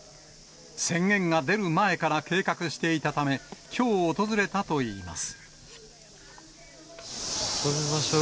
宣言が出る前から計画していたため、きょう訪れたといいます。